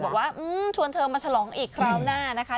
บอกว่าชวนเธอมาฉลองอีกคราวหน้านะคะ